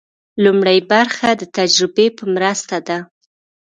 لومړۍ برخه د تجربې په مرسته ده.